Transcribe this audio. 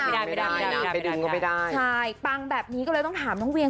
ไม่ได้ไม่ได้ใช่ปังแบบนี้ก็เลยต้องถามน้องเวียง